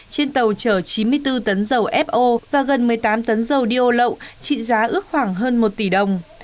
trên tàu chở chín mươi bốn tấn dầu fo và gần một mươi tám tấn dầu điêu lậu trị giá ước khoảng hơn một tỷ đồng